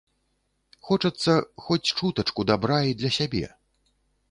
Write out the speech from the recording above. Хочацца хоць чутачку дабра і для сябе.